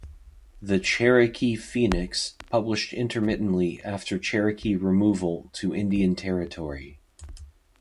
The "Cherokee Phoenix" published intermittently after Cherokee removal to Indian Territory.